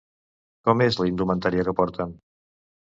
Com és la indumentària que porten?